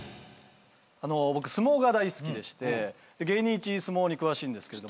僕相撲が大好きでして芸人一相撲に詳しいんですけど。